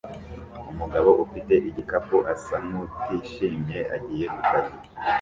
Umugabo ufite igikapu asa nkutishimye agiye kukazi